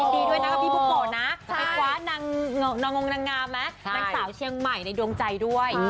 ดีด้วยนะคะพี่บุโกะนะไปคว้านางงนางงามไหมนางสาวเชียงใหม่ในดวงใจด้วย